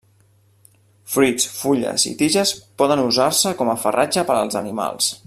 Fruits, fulles i tiges poden usar-se com a farratge per als animals.